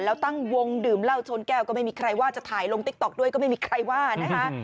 แล้วตั้งวงดื่มเหล้าชนแก้วก็ไม่มีใครว่าจะถ่ายลงติ๊กต๊อกด้วยก็ไม่มีใครว่านะคะ